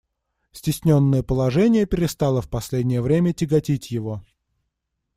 Cтесненное положение перестало в последнее время тяготить его.